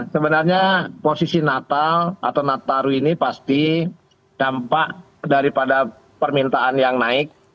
sebenarnya posisi natal atau nataru ini pasti dampak daripada permintaan yang naik